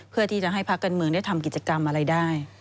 เพื่อที่จะให้ภาคการเมืองได้ทำกิจกรรมอะไรได้